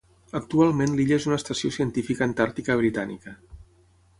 Actualment l'illa és una estació científica antàrtica britànica.